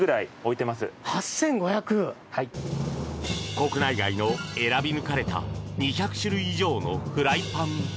国内外の選び抜かれた２００種類以上のフライパン。